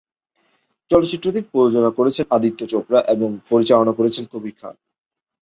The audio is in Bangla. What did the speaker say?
চলচ্চিত্রটির প্রযোজনা করেছেন আদিত্য চোপড়া ও পরিচালনা করেছেন কবির খান।